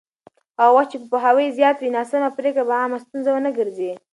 هغه وخت چې پوهاوی زیات وي، ناسمه پرېکړه به عامه ستونزه ونه ګرځي.